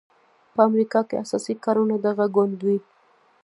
په امریکا کې اساسي کارونه دغه ګوند کوي.